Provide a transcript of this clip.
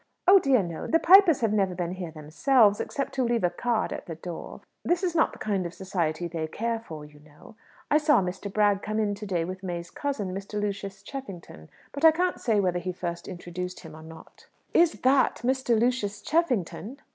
"Oh dear, no! The Pipers have never been here themselves, except to leave a card at the door. This is not the kind of society they care for, you know. I saw Mr. Bragg come in to day with May's cousin, Mr. Lucius Cheffington, but I can't say whether he first introduced him or not." "Is that Mr. Lucius Cheffington?"